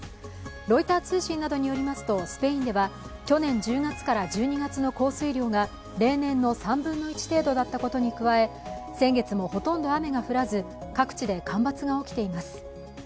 ロイター通信などによりますとスペインでは、去年１０月から１２月の降水量が例年の３分の１程度だったことに加え、先月もほとんど雨が降らず、各地で干ばつが起きています。